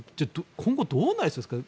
今後、どうなりそうですか。